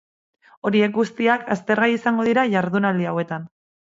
Horiek guztiak aztergai izango dira jardunaldi hauetan.